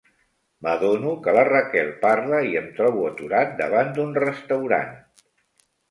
M'adono que la Raquel parla i em trobo aturat davant d'un restaurant.